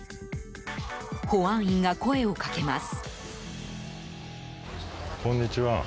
保安員が声をかけます。